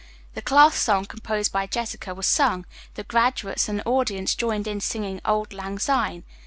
The class song composed by Jessica was sung, then graduates and audience joined in singing "Auld Lang Syne."